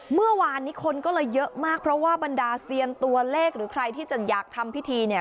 เมื่อวานนี้คนก็เลยเยอะมากเพราะว่าบรรดาเซียนตัวเลขหรือใครที่จะอยากทำพิธีเนี่ย